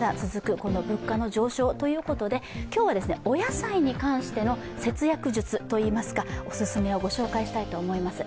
この物価の上昇ということで今日はお野菜に関しての節約術といいますか、おすすめをご紹介したいと思います。